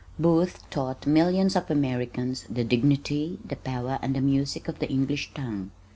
Booth taught millions of Americans the dignity, the power and the music of the English tongue.